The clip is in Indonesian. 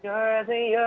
hei asik banget ya